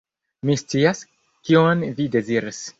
Mi scias, kion vi deziras.